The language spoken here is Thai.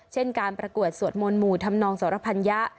เช่นการประกวดสวดมนต์หมู่ธรรมนองสรพัญญะ